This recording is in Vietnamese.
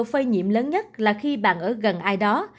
phơi nhiễm lớn nhất là khi bạn ở gần ai đó